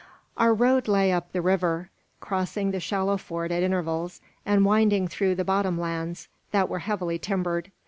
Our road lay up the river, crossing the shallow ford at intervals, and winding through the bottom lands, that were heavily timbered.